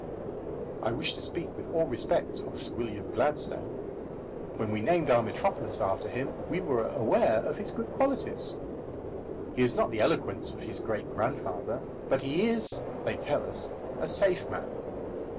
I wish to speak with all respect of Sir William Gladstone. When we named our metropolis after him, we were aware of his good qualities. He has not the eloquence of his great grandfather, but he is, they tell us, a safe man.